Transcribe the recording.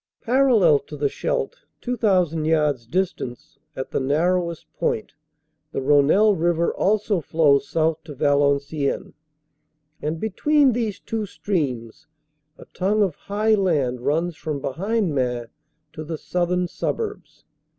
Parallel to the Scheldt, 2,000 yards distant at the narrowest point, the Rhonelle river also flows south to Valenciennes, and between these two streams a tongue of high land runs from behind Maing to the southern suburbs.